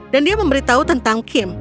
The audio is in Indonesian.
dan dia memberitahu tentang kim